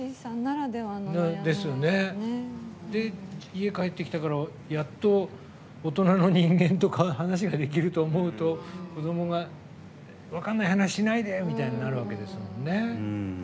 家帰ってきてからやっと大人の人間と話ができると思うと子どもが分からない話をしないで！とかになるわけですもんね。